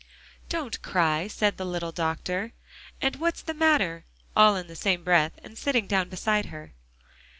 "Don't cry," said the little doctor, "and what's the matter?" all in the same breath, and sitting down beside her.